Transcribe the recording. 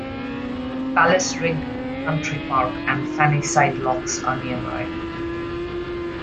Palacerigg Country Park and Fannyside Lochs are nearby.